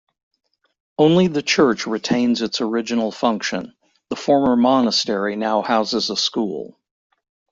Only the church retains its original function; the former monastery now houses a school.